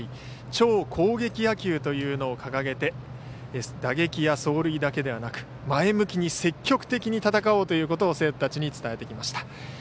超攻撃野球というのを掲げて打撃や走塁だけではなく前向きに積極的に戦おうということを選手たちに伝えてきました。